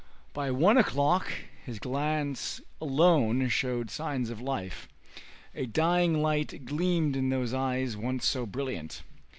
By one o'clock his glance alone showed signs of life. A dying light gleamed in those eyes once so brilliant.